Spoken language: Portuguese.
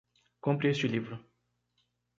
Compre este livro